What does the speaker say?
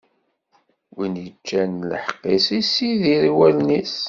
Win iččan lḥeqq-is, issidir i wallen-is.